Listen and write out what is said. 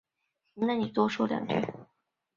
他的证据完全基于那些油画本身的特点。